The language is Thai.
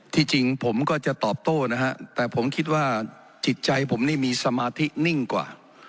จริงผมก็จะตอบโต้นะฮะแต่ผมคิดว่าจิตใจผมนี่มีสมาธินิ่งกว่า